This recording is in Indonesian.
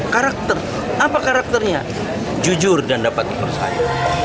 karakter apa karakternya jujur dan dapat dipercaya